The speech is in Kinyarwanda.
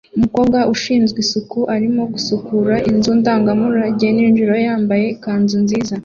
Umukozi ushinzwe isuku arimo gusukura inzu ndangamurage nijoro yambaye ikanzu nziza